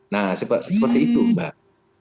nah seperti itu mbak